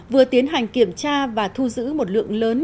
vừa tiến hành kiểm tra và thu giữ một lượng lớn